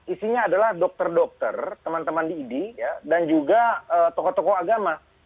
isinya adalah dokter dokter teman teman di idi dan juga tokoh tokoh agama